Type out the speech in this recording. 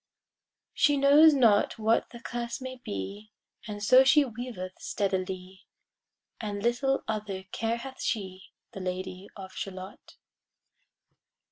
She knows not what the curse may be, And so she weaveth steadily, And little other care hath she, The Lady of Shalott.